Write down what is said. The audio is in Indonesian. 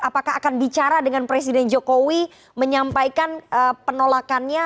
apakah akan bicara dengan presiden jokowi menyampaikan penolakannya